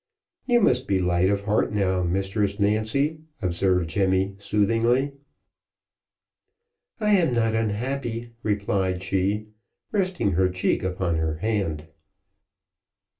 "You must be light o' heart now, Mistress Nancy," observed Jemmy, soothingly. "I am not unhappy," replied she, resting her cheek upon her hand.